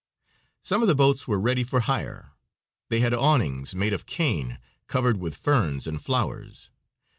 Some of the boats were ready for hire. They had awnings made of cane covered with ferns and flowers.